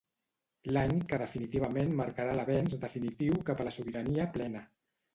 L'any que definitivament marcarà l'avenç definitiu cap a la sobirania plena.